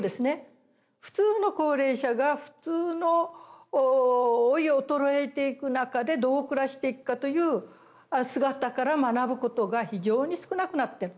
普通の高齢者が普通の老い衰えていく中でどう暮らしていくかという姿から学ぶことが非常に少なくなってる。